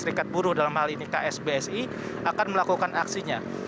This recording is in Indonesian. serikat buruh dalam hal ini ksbsi akan melakukan aksinya